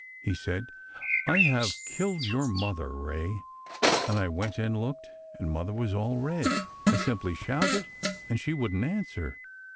He said, ' I have killed your mother, Ray,' and I went and looked, and mother was all red. I simply shouted, and she wouldn't answer.